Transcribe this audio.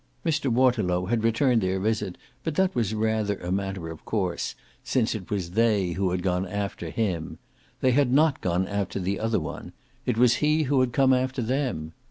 Mr. Waterlow had returned their visit, but that was rather a matter of course, since it was they who had gone after him. They had not gone after the other one; it was he who had come after them.